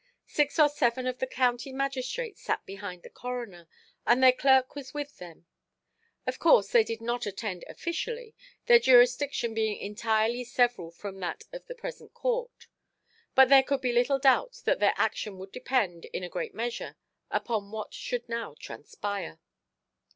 Six or seven of the county magistrates sat behind the coroner, and their clerk was with them. Of course they did not attend officially, their jurisdiction being entirely several from that of the present court. But there could be little doubt that their action would depend, in a great measure, upon what should now transpire.